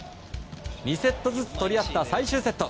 ２セットずつ取り合った最終セット。